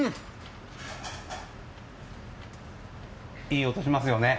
いい音しますよね。